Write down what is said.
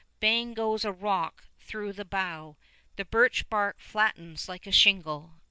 Bang goes a rock through the bow. The birch bark flattens like a shingle.